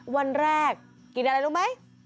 วันแรกกินอะไรรู้ไหม